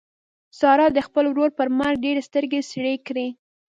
سارا د خپل ورور پر مرګ ډېرې سترګې سرې کړې.